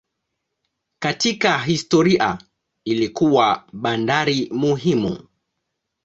Katika historia ilikuwa bandari muhimu.